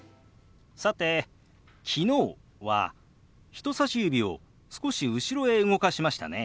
さて「昨日」は人さし指を少し後ろへ動かしましたね。